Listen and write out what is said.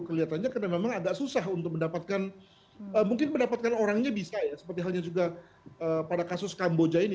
kelihatannya karena memang agak susah untuk mendapatkan mungkin mendapatkan orangnya bisa ya seperti halnya juga pada kasus kamboja ini